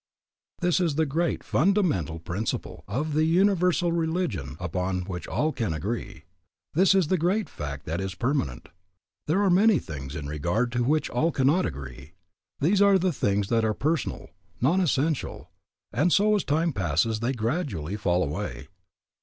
This is the great fundamental principle of the universal religion upon which all can agree. This is the great fact that is permanent. There are many things in regard to which all cannot agree. These are the things that are personal, non essential, and so as time passes they gradually fall away.